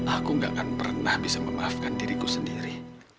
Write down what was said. aku gak akan pernah bisa memaafkan diriku sendiri